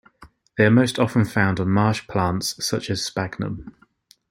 They are most often found on marsh plants such as "Sphagnum".